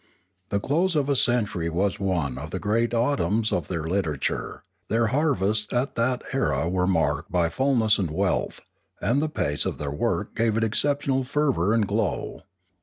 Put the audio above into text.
The close of a century was one of the great autumns of their literature; their harvests at that era were marked by fulness and wealth, and the pace of their work gave it exceptional fervour and glow.